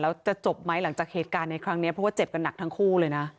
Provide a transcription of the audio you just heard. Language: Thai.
แล้วจะจบไหมหลังจากเหตุการณ์ในครั้งนี้เพราะว่าเจ็บกันหนักทั้งคู่เลยนะ